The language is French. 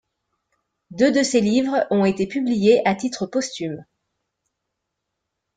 Deux de ses livres ont été publiés à titre posthume.